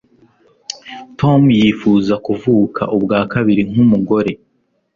Tom yifuza kuvuka ubwa kabiri nkumugore